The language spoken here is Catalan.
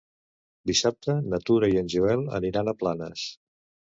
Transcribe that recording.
Dissabte na Tura i en Joel aniran a Planes.